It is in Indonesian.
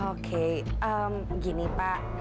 oke gini pak